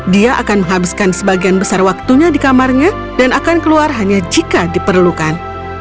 dia akan menghabiskan sebagian besar waktunya di kamarnya dan akan keluar hanya jika diperlukan